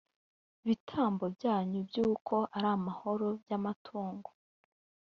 bitambo byanyu by uko ari amahoro by amatungo